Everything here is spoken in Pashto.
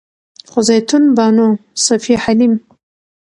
خو زيتون بانو، صفيه حليم